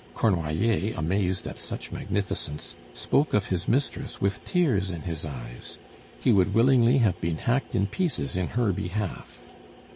Cornoiller, amazed at such magnificence, spoke of his mistress with tears in his eyes; he would willingly have been hacked in pieces in her behalf.